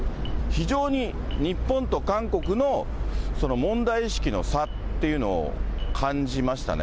非常に日本と韓国の問題意識の差っていうのを感じましたね。